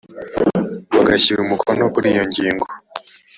bagashyira umukono kuri yo ngingo